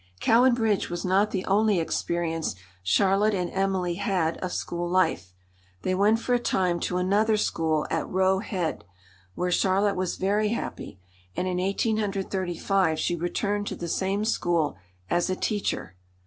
Cowan Bridge was not the only experience Charlotte and Emily had of school life. They went for a time to another school at Roe Head, where Charlotte was very happy, and in 1835 she returned to the same school as a teacher.